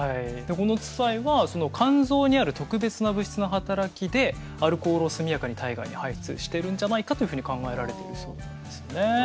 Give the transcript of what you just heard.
このツパイは肝臓にある特別な物質の働きでアルコールを速やかに体外に排出してるんじゃないかというふうに考えられてるそうですね。